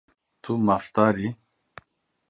Tu mafdar î.